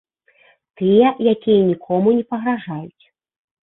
Тыя, якія нікому не пагражаюць.